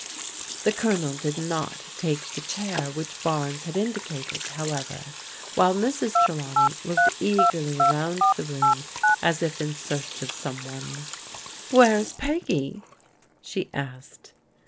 The Colonel did not take the chair which Barnes had indicated, however, while Mrs. Trelawney looked eagerly around the room as if in search of some one. Where is Peggy ?" she asked.